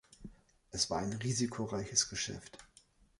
Es war ein risikoreiches Geschäft.